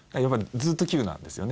ずっと９なんですよね。